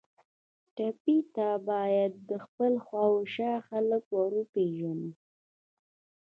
ټپي ته باید خپل شاوخوا خلک وروپیژنو.